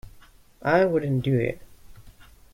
I wouldn't do it.